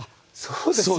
そうです。